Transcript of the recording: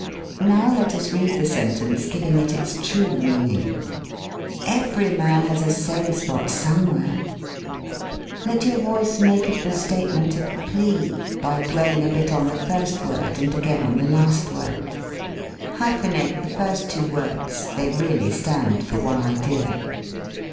Now let us read the sentence, giving it its true mean ing. "Every man has a sane spot some where." Let your voice make of the state ment a plea, by dwelling a bit on the first 96 THE ESSAY word and again on the last word. Hyphen ate the first two words (they really stand for one idea).